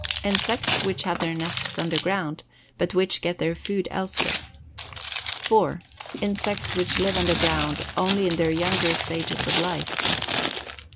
Insects which have their nests underground, but which get their food elsewhere. 4. Insects which live underground only in their younger stages of life.